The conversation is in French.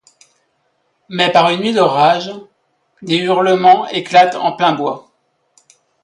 Mais par une nuit d'orage, des hurlements éclatent en plein bois.